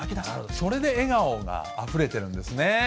それで笑顔があふれてるんですね。